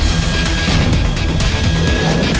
โอเค